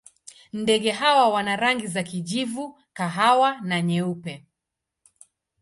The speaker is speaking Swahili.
Ndege hawa wana rangi za kijivu, kahawa na nyeupe.